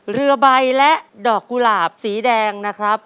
เรือใบและดอกกุหลาบสีแดงนะครับ